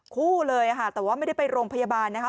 คู่เลยค่ะแต่ว่าไม่ได้ไปโรงพยาบาลนะคะ